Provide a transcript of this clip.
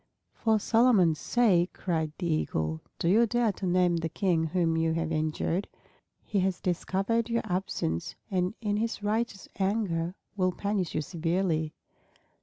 "For Solomon's sake!" cried the Eagle. "Do you dare to name the King whom you have injured? He has discovered your absence and in his righteous anger will punish you severely."